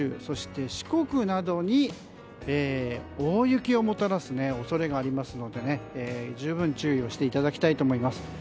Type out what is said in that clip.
そして、四国などに大雪をもたらす恐れがありますので十分注意をしていただきたいと思います。